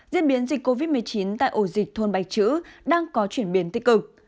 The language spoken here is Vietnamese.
diễn biến dịch covid một mươi chín tại ổ dịch thôn bạch chữ đang có chuyển biến tích cực